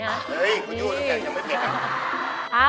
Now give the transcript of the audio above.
เฮ้ยมันยู่แล้วแกยังไม่เปลี่ยน